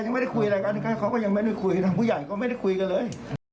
ยังไม่ได้คุยอะไรกันถึงขั้นเขาก็ยังไม่ได้คุยทางผู้ใหญ่ก็ไม่ได้คุยกันเลย